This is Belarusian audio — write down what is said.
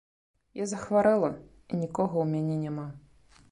Я захварэла, і нікога ў мяне няма.